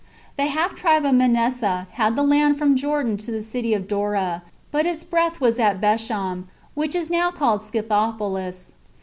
The half tribe of Manasseh had the land from Jordan to the city of Dora; but its breadth was at Bethsham, which is now called Scythopolis.